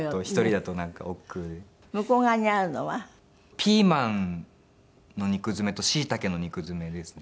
ピーマンの肉詰めとしいたけの肉詰めですね。